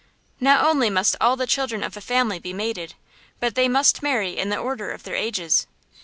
Not only must all the children of a family be mated, but they must marry in the order of their ages.